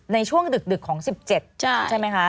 ในช่วงดึกของ๑๗ใช่ไหมคะ